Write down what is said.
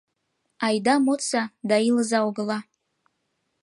Айда модса да илыза огыла.